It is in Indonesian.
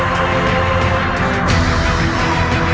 semoga berhasil kakang